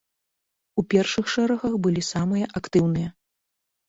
У першых шэрагах былі самыя актыўныя.